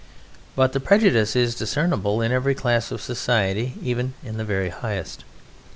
But the prejudice is discernible in every class of society, even in the very highest.